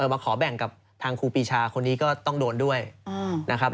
มาขอแบ่งกับทางครูปีชาคนนี้ก็ต้องโดนด้วยนะครับ